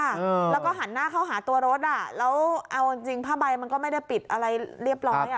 แล้วก็หันหน้าเข้าหาตัวรถอ่ะแล้วเอาจริงจริงผ้าใบมันก็ไม่ได้ปิดอะไรเรียบร้อยอ่ะ